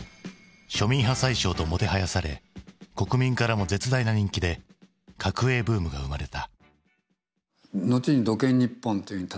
「庶民派宰相」ともてはやされ国民からも絶大な人気で角栄ブームが生まれた。